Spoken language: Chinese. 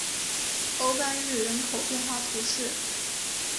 欧班日人口变化图示